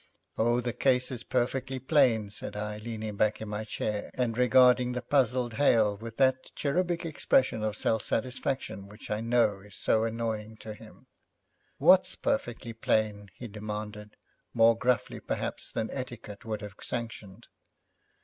'Oh, the case is perfectly plain,' said I, leaning back in my chair, and regarding the puzzled Hale with that cherubic expression of self satisfaction which I know is so annoying to him. 'What's perfectly plain?' he demanded, more gruffly perhaps than etiquette would have sanctioned.